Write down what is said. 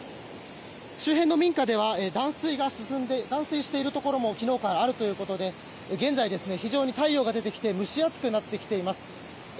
周辺の民家では断水しているところも昨日からあるということで現在、太陽が出てきて蒸し暑くなってきています。